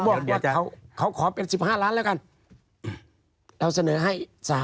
พวกเขาขอเป็น๑๕ล้านแล้วกันเราเสนอให้๓